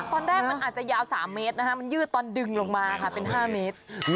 ตอนแรกมันอาจจะยาว๓เมตรนะคะมันยืดตอนดึงลงมาค่ะเป็น๕เมตร